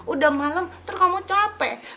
udah malam terus kamu capek